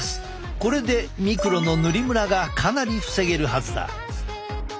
これでミクロの塗りムラがかなり防げるはずだ。